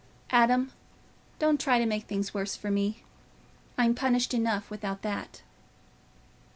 Adam, don't try to make things worse for me; I'm punished enough without that."